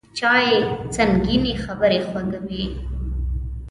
چای د سنګینې خبرې خوږوي